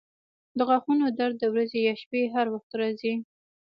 د غاښونو درد د ورځې یا شپې هر وخت راځي.